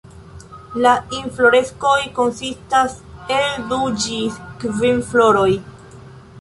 La infloreskoj konsistas el du ĝis kvin floroj.